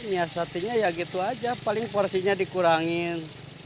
ya satunya ya gitu aja paling porsinya dikurangin